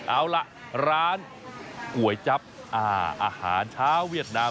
เอาล่ะร้านก๋วยจั๊บอาหารเช้าเวียดนาม